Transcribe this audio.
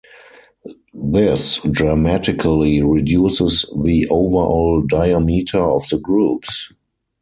This dramatically reduces the overall diameter of the groups.